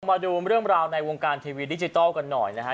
มาดูเรื่องราวในวงการทีวีดิจิทัลกันหน่อยนะฮะ